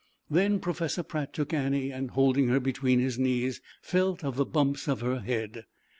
Then Professor Pratt took Annie and holding her between his knees, felt of the bumps of her head.